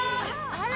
あら！